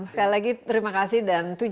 sekali lagi terima kasih dan